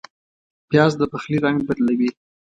پیاز د پخلي رنګ بدلوي